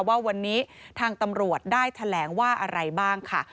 ว่าวันนี้ทางตำรวจได้แถลงว่าอะไรบ้างค่ะ